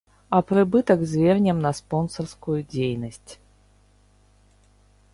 А прыбытак звернем на спонсарскую дзейнасць.